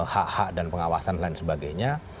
hak hak dan pengawasan lain sebagainya